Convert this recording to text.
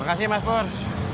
makasih mas pur